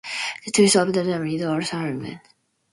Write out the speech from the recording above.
The touch of the domovoi is also a harbinger.